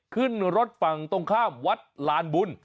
ขึ้นรถฝั่งตรงข้ามวัดลานบุญ